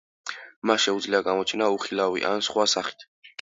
მას შეუძლია გამოჩენა, უხილავი ან სხვა სახით.